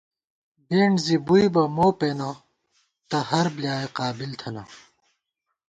بېنٹ زِی بُوئی بہ مو پېنہ تہ ہر بۡلیایَہ قابل تھنہ